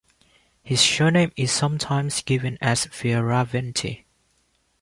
His surname is sometimes given as Fieraventi.